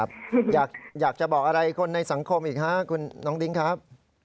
อยากจะบอกอะไรคนในสังคมอีกฮะคุณน้องดิ้งครับ